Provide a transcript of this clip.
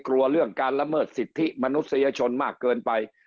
เรื่องการละเมิดสิทธิมนุษยชนมากเกินไป